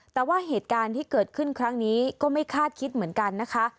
แต่ว่าเหตุการณ์ที่เกิดขึ้นครั้งนี้ก็ไม่คาดคิดเหมือนกันนะคะ